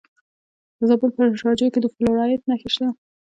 د زابل په شاجوی کې د فلورایټ نښې شته.